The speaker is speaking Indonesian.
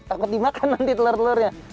takut dimakan nanti telur telurnya